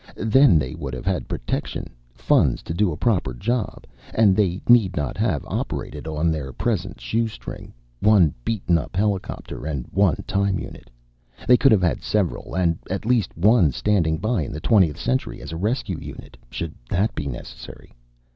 Then they would have had protection, funds to do a proper job and they need not have operated on their present shoestring one beaten up helicopter and one time unit. They could have had several and at least one standing by in the twentieth century as a rescue unit, should that be necessary.